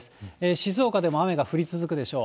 静岡でも雨が降り続くでしょう。